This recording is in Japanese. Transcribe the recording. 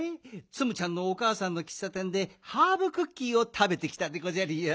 ツムちゃんのおかあさんのきっさてんでハーブクッキーをたべてきたでごじゃるよ。